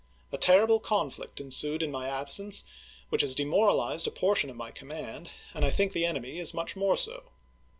A terrible conflict ensued in my absence, which has demoralized a portion of my command, and I think the enemy is much more so.